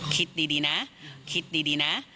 คิดดีนะคิดดีนะ